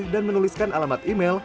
dan menuliskan alamat email